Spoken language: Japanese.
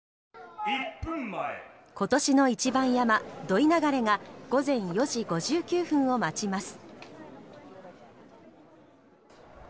今年の一番山笠・土居流が午前４時５９分を待ちます。